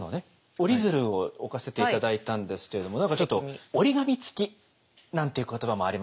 折り鶴を置かせて頂いたんですけれども何かちょっと「折り紙つき」なんていう言葉もありますよね。